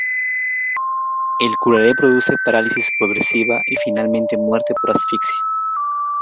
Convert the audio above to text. El curare produce parálisis progresiva y finalmente muerte por asfixia.